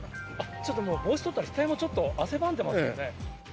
ちょっともう、帽子取ったら額もちょっと汗ばんでますね。